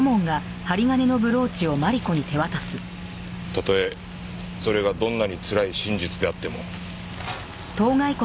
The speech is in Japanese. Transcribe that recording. たとえそれがどんなにつらい真実であっても。